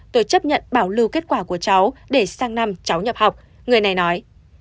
tôi chấp nhận bảo lưu kết quả của cháu để sang năm cháu nhập học người này nói